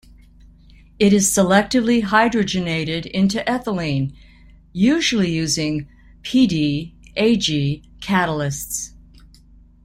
It is selectively hydrogenated into ethylene, usually using Pd-Ag catalysts.